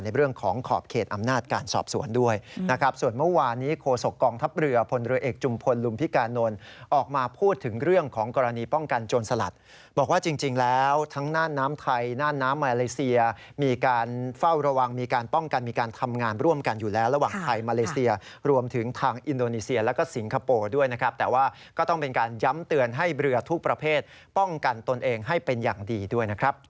ในเรื่องของขอบเขตอำนาจการสอบสวนด้วย